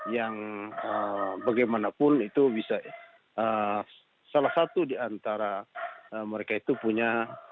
yang bagaimanapun itu bisa salah satu diantara mereka itu punya